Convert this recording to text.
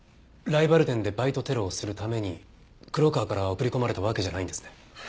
ライバル店でバイトテロをするために黒川から送り込まれたわけじゃないんですね？